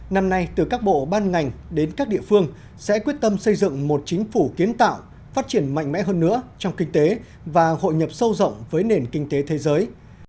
năm nay từ các bộ ban ngành đến các địa phương sẽ quyết tâm xây dựng một chính phủ kiến tạo phát triển mạnh mẽ hơn nữa trong kinh tế và hội nhập sâu rộng với nền kinh tế thế giới